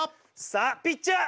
さあピッチャー